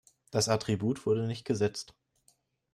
Das Attribut wurde nicht gesetzt.